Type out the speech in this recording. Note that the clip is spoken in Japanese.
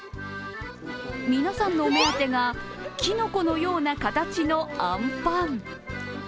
皆さんのお目当てが、キノコのような形のあんパン。